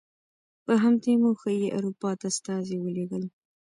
په همدې موخه یې اروپا ته استازي ولېږل.